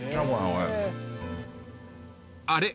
［あれ？